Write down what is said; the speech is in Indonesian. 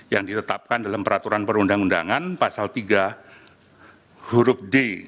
yang ditetapkan dalam peraturan perundang undangan pasal tiga huruf d